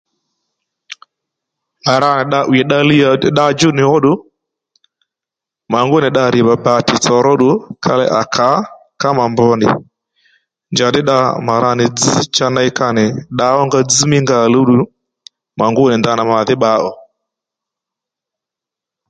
Mà ra nì dda 'wìy dda liyà dda djú nì óddù mà ngú nì dda rì bàtì tsò ró ddù ka ley à kǎ kámà mbr nì njàddí dda mà rà nì dzz cha ney ka nì dda ónga dzz mí nga òluw mà ngúnì ndanà màdhí bba ò